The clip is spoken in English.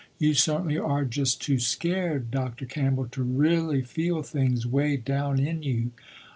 You certainly are just too scared Dr. Campbell to really feel things way down in you.